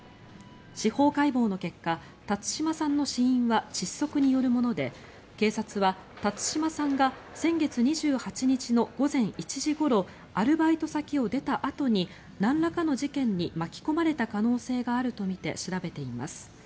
司法解剖の結果辰島さんの死因は窒息によるもので警察は辰島さんが先月２８日の午前１時ごろアルバイト先を出たあとになんらかの事件に巻き込まれた可能性があるとみて調べています。